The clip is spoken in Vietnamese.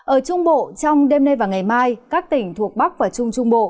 ở trung bộ trong đêm nay và ngày mai các tỉnh thuộc bắc và trung trung bộ